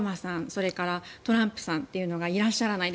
それからトランプさんというのがいらっしゃらない。